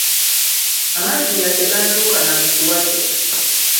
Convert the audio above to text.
Amazzi nga tegantuuka na mu kiwato.